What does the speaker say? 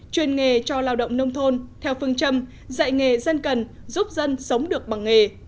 chuyên nghề cho lao động nông thôn theo phương châm dạy nghề dân cần giúp dân sống được bằng nghề